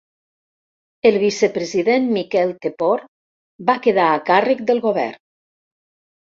El vicepresident Miquel Tepor va quedar a càrrec del govern.